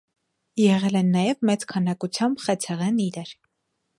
Եղել են նաև մեծ քանակությամբ խեցեղեն իրեր։